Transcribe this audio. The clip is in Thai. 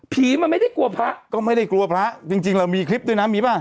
ผีมันไม่ได้กลัวพระก็ไม่ได้กลัวพระจริงจริงเรามีคลิปด้วยนะมีป่ะ